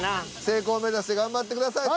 成功目指して頑張ってください。